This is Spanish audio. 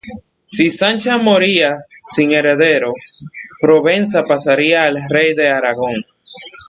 Si Sancha moría sin heredero, Provenza pasaría al rey de Aragón.